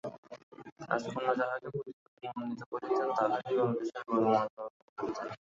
রাজকন্যা যাঁহাকে পতিরূপে মনোনীত করিতেন, তাঁহারই গলদেশে ঐ বরমাল্য অর্পণ করিতেন।